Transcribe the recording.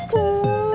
aduh aduh aduh